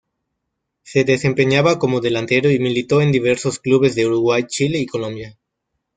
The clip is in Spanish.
Se desempeñaba como delantero y militó en diversos clubes de Uruguay, Chile y Colombia.